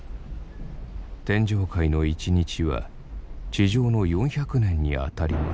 「天上界の一日は地上の４００年にあたります」。